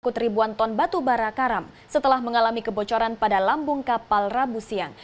ikut ribuan ton batubara karam setelah mengalami kebocoran pada lambung kapal rabu siang